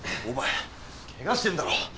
お前ケガしてんだろ！